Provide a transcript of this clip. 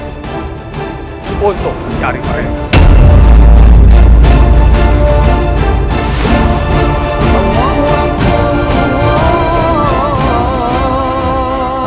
untuk mencari mereka